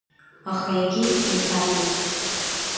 Аха егьи еиҭаԥеит.